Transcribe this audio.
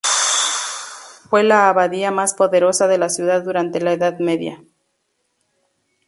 Fue la abadía más poderosa de la ciudad durante la Edad Media.